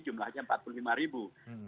jumlahnya empat puluh lima ribu